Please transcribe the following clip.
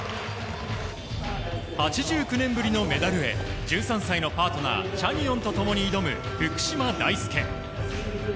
８９年ぶりのメダルへ１３歳のパートナーチャニオンと共に挑む福島大輔。